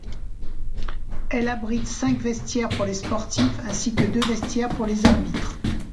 Elle abrite cinq vestiaires pour les sportifs ainsi que deux vestiaires pour les arbitres.